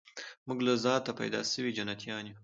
موږ له ذاته پیدا سوي جنتیان یو